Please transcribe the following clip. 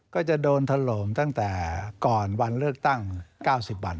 ก็จะโดนถล่มตั้งแต่ก่อนวันเลือกตั้ง๙๐วัน